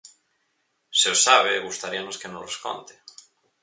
Se os sabe, gustaríanos que nolos conte.